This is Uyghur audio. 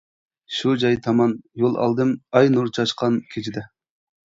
شۇ جاي تامان يول ئالدىم، ئاي نۇر چاچقان كېچىدە.